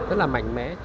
rất là mạnh mẽ